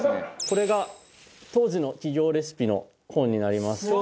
これが当時の企業レシピの本になります。